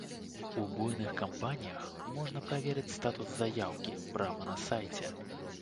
У буйных кампаніях можна праверыць статус заяўкі прама на сайце.